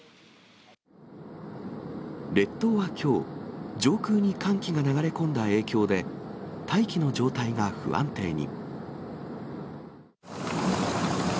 列島はきょう、上空に寒気が流れ込んだ影響で、大気の状態が不安定に。